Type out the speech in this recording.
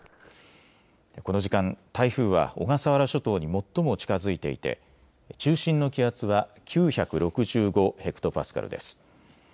この時間、台風は小笠原諸島に最も近づいていて中心の気圧は９６５ｈＰａです。